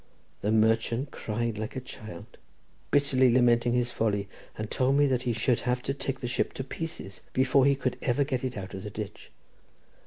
The merchant cried like a child, bitterly lamenting his folly, and told me that he should have to take the ship to pieces before he could ever get it out of the ditch.